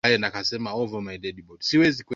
Sambusa zao ni tamu sana